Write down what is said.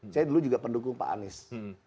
saya dulu juga pendukung pak anies